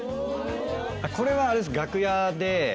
これはあれです楽屋で。